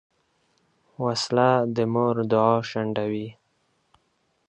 وسله د مور دعا شنډوي